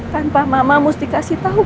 tanpa mama mesti kasih tahu